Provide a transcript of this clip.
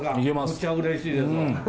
むっちゃうれしいですわ。